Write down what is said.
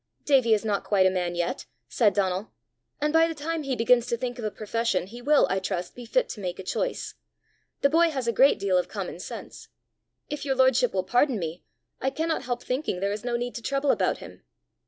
"Davie is not quite a man yet," said Donal; "and by the time he begins to think of a profession, he will, I trust, be fit to make a choice: the boy has a great deal of common sense. If your lordship will pardon me, I cannot help thinking there is no need to trouble about him."